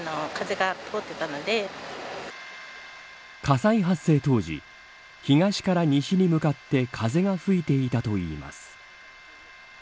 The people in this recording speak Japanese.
火災発生当時東から西に向かって風が吹いていたといいます。